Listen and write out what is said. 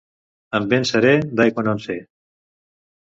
Amb vent serè, d'aigua no en sé.